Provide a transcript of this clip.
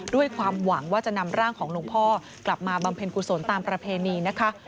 ด้วยความหวังว่าจะนำร่างของหลวงพ่อกลับมาบำเพ็ญกุศลตามประเพณีนะคะ